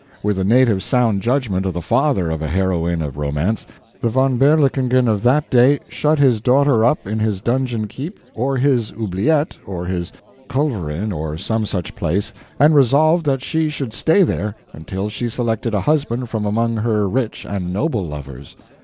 With the native sound judgment of the father of a heroine of romance, the von Berlichingen of that day shut his daughter up in his donjon keep, or his oubliette, or his culverin, or some such place, and resolved that she should stay there until she selected a husband from among her rich and noble lovers.